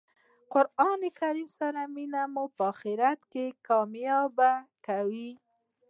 قران کریم سره مینه مو آخرت کښي کامیابه کوي.